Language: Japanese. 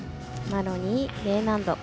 マロニー、Ｄ難度。